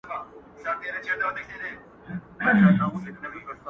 د حبیبي او د رشاد او بېنوا کلی دی -